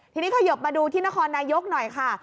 ทีนี้ขยบมาดูที่นครนายกหน่อยค่ะ